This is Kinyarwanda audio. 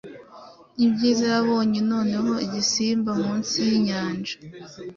Ibyiza yabonye noneho igisimba munsi yinyanja